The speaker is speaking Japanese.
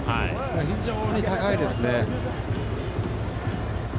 非常に高いですね。